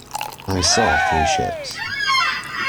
I saw three ships.